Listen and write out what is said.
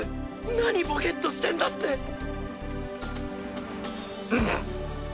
何ボケッとしてんだってぶ。